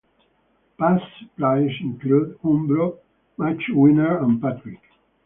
Past suppliers include Umbro, Matchwinner and Patrick.